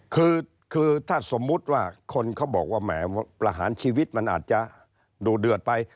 คือถ้าสมมุติว่าคนเขาบอกว่าแหมประหารชีวิตมันอาจจะดูเดือดไป